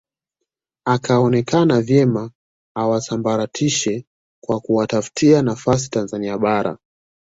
Akaona vyema awasambaratishe kwa kuwatafutia nafasi Tanzania Bara